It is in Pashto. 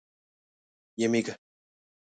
یمېږه.